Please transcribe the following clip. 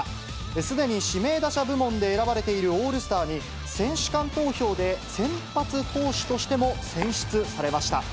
すでに指名打者部門で選ばれているオールスターに、選手間投票で先発投手としても選出されました。